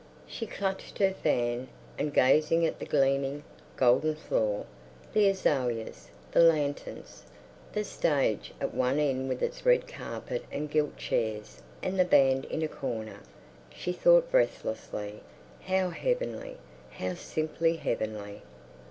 She clutched her fan, and, gazing at the gleaming, golden floor, the azaleas, the lanterns, the stage at one end with its red carpet and gilt chairs and the band in a corner, she thought breathlessly, "How heavenly; how simply heavenly!"